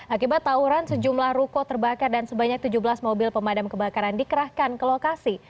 akibat tawuran sejumlah ruko terbakar dan sebanyak tujuh belas mobil pemadam kebakaran dikerahkan ke lokasi